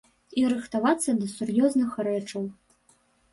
І рыхтавацца да сур'ёзных рэчаў.